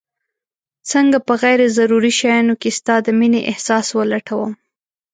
څنګه په غير ضروري شيانو کي ستا د مينې احساس ولټوم